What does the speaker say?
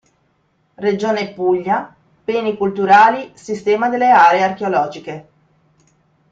Regione Puglia “Beni culturali Sistema delle aree Archeologiche”.